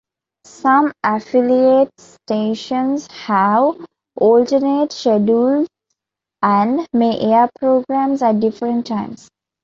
Some affiliate stations have alternate schedules and may air programs at different times.